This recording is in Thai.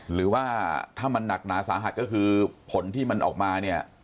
หรือว่าถ้ามันหนักหนาสาหัสก็คือผลที่มันออกมาเนี่ย